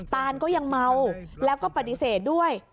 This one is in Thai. ตานก็ยังเมาแล้วก็ปฏิเสธด้วย